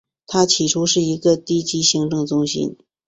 它起初是一个低级行政中心。